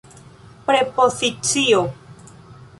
prepozicio